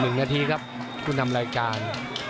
๑นาทีครับคุณทำรายการ